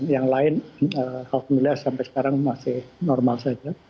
yang lain hal semula sampai sekarang masih normal saja